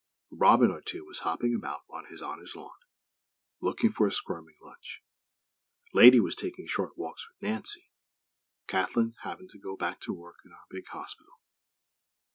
A robin or two was hopping about on His Honor's lawn, looking for a squirming lunch; Lady was taking short walks with Nancy; Kathlyn having to go back to work in our big hospital.